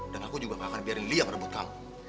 dan aku juga gak akan biarin lia merebut kamu